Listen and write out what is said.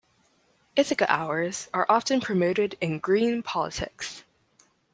Ithaca Hours, are often promoted in green politics.